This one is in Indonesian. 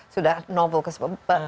sudah novel ke sepuluh